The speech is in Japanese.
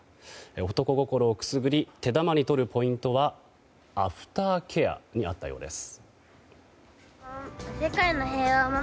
男心をくすぐり手玉に取るポイントはアフターケアにあったようです。